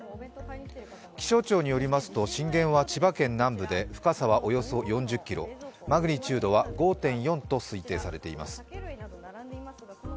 気象庁によりますと、震源は千葉県南部で深さはおよそ４０ｋｍ、マグニチュードは５．４と推定されています。